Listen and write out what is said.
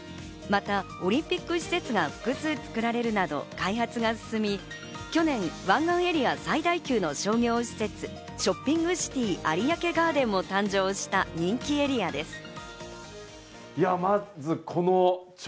またオリンピック施設が複数造られるなど開発が進み、去年、湾岸エリア最大級の商業施設ショッピングシティ有明ガーテンも誕生した人気エリアです。